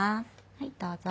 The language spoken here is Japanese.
はいどうぞ。